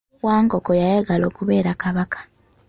Wankoko yayagala okubeera kabaka.